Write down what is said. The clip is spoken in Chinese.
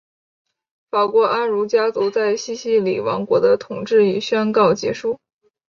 法国安茹家族在西西里王国的统治已宣告结束。